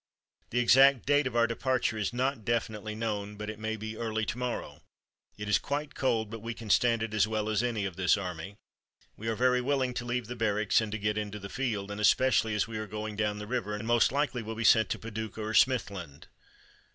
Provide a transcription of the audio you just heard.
The exact date of our departure is not definitely known, but it may be early to morrow. It is quite cold, but we can stand it as well as any of this army. We are very willing to leave the Barracks and get into the field, and especially as we are going down the river and most likely will be sent to Paducah or Smithland.